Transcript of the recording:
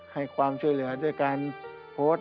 ให้ความช่วยเหลือด้วยการโพสต์